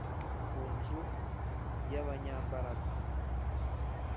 ku Nzu y Abanyambaraga